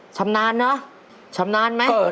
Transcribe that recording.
ชำนาญเนอะชำนาญไหม